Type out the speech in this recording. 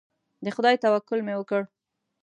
د خدای توکل مې وکړ.